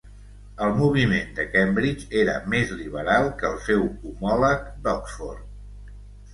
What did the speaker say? El Moviment de Cambridge era més liberal que el seu homòleg d'Oxford.